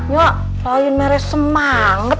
ya lain mere semanget